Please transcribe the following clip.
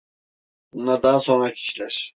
Bunlar daha sonraki işler…